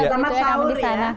selamat tahun ya